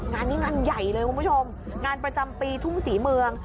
งานนี้งานใหญ่เลยคุณผู้ชมงานประจำปีทุ่งศรีเมือง